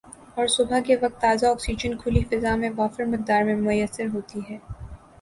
اور صبح کے وقت تازہ آکسیجن کھلی فضا میں وافر مقدار میں میسر ہوتی ہے